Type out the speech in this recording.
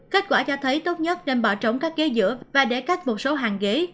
kết quả cho thấy tốt nhất nên bỏ trống các ghế giữa và để cắt một số hàng ghế